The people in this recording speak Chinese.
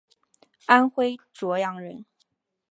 安徽阜阳人。